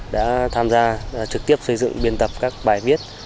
đã tham gia trực tiếp xây dựng biên tập các bài viết